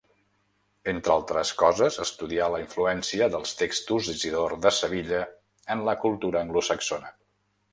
Entre altres coses, estudià la influència dels textos d'Isidor de Sevilla en la cultura anglosaxona.